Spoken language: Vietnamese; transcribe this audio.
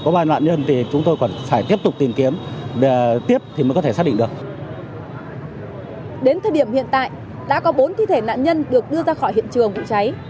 đến thời điểm hiện tại đã có bốn thi thể nạn nhân được đưa ra khỏi hiện trường vụ cháy